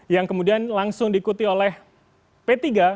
yang kemudian langsung diikuti oleh p tiga